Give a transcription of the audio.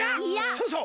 そうそう。